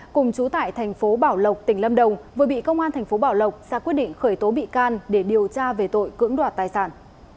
cùng chú tại thành phố bảo lộc tỉnh lâm đồng vừa bị công an thành phố bảo lộc ra quyết định khởi tố bị can để điều tra về tội cưỡng đoạt tài sản